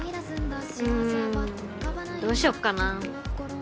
んどうしよっかな。